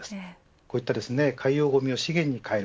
こういった海洋ごみを資源に変える。